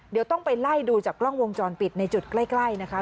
เดี๋ยวต้องไปไล่ดูจากกล้องวงจรปิดในจุดใกล้นะคะ